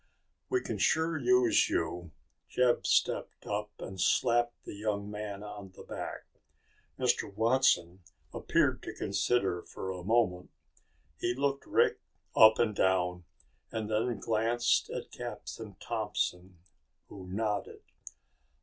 "We can sure use you." Jeb stepped up and slapped the young man on the back. Mr. Watson appeared to consider for a moment. He looked Rick up and down, and then glanced at Captain Thompson, who nodded.